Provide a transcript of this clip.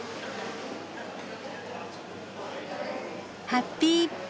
「ハッピー」